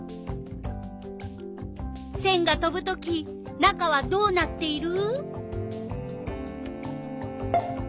せんが飛ぶとき中はどうなっている？